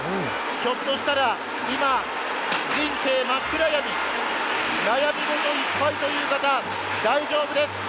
ひょっとしたら今、人生真っ暗闇、悩み事いっぱいという方、大丈夫です。